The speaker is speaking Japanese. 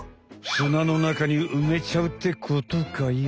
砂の中に埋めちゃうってことかよ。